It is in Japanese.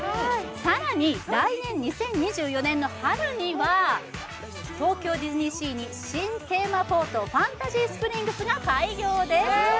更に来年２０２４年春には東京ディズニーシーに新テーマポートファンタジースプリングスが開業です。